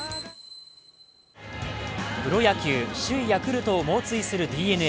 プロ野球、首位・ヤクルトを猛追するＤｅＮＡ。